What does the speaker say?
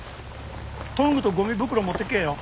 トングとゴミ袋持ってけよ。